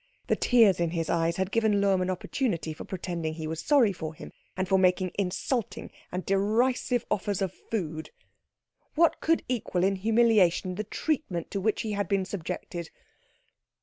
The tears in his eyes had given Lohm an opportunity for pretending he was sorry for him, and for making insulting and derisive offers of food. What could equal in humiliation the treatment to which he had been subjected?